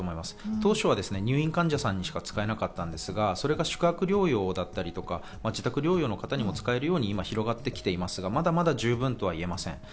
当初は入院患者さんにしか使えなかったんですが宿泊療養だったり自宅療養の方にも使えるように今、広がってきていますが、まだまだ十分とは言えません。